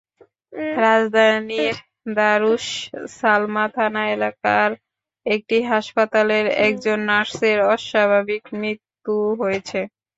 রাজধানীর দারুস সালাম থানা এলাকার একটি হাসপাতালের একজন নার্সের অস্বাভাবিক মৃত্যু হয়েছে।